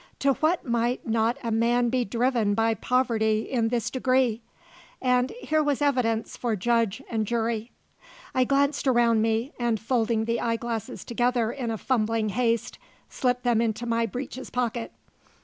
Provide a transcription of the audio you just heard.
To what might not a man be driven by poverty in this degree? And here was evidence for judge and jury. I glanced around me, and, folding the eyeglasses together in a fumbling haste, slipped them into my breeches pocket.